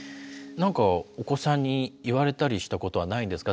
何かお子さんに言われたりしたことはないんですか？